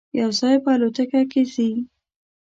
یو ځای به الوتکه کې ځی.